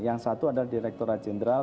yang satu adalah direkturat jenderal